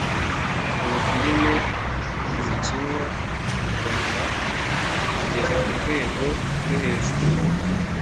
ubu filime zikinywa murwanda zigeze kurwego rwo hejuru